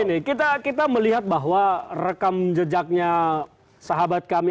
ini kita melihat bahwa rekam jejaknya sahabat kami